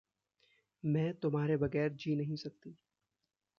मैं तुम्हारे बगैर जी नहीं सकती।